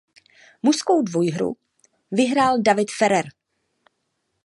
Mužskou dvouhru vyhrál David Ferrer.